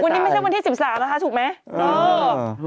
วันนี้ไม่ใช่วันที่๑๓นะคะถูกไหม